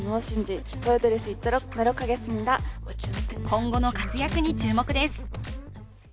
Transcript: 今後の活躍に注目です。